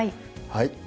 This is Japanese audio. はい。